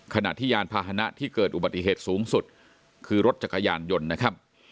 ขณะที่ยานพาหนะที่เกิดอุบัติเหตุสูงสุดคือรถจักรยานยนต์นะครับ